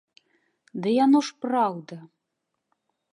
Ды яно ж праўда!